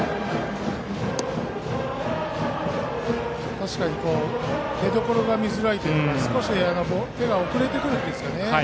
確かに出どころが見づらいというか少し手が遅れてくるというんですかね。